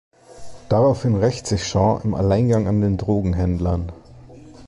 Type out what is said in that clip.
Daraufhin rächt sich Sean im Alleingang an den Drogenhändlern.